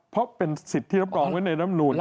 เพราะเป็นสิทธิ์ที่รับรองไว้ในรำนูน